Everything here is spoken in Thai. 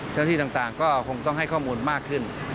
ที่ต่างก็คงต้องให้ข้อมูลมากขึ้น